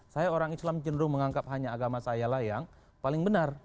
saya orang islam cenderung menganggap hanya agama saya lah yang paling benar